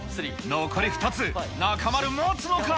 残り２つ、中丸、もつのか？